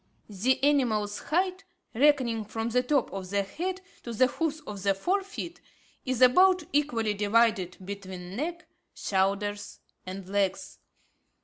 The animal's height, reckoning from the top of the head to the hoofs of the fore feet, is about equally divided between neck, shoulders, and legs.